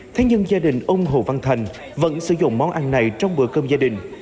thế nhưng gia đình ông hồ văn thành vẫn sử dụng món ăn này trong bữa cơm gia đình